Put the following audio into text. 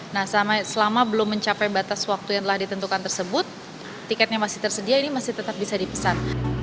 nah selama belum mencapai batas waktu yang telah ditentukan tersebut tiketnya masih tersedia ini masih tetap bisa dipesan